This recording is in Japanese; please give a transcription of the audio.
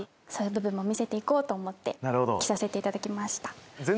そういう部分も見せて行こうと思って着させていただきました。